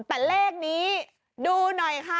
แต่เลขนี้ดูหน่อยค่ะ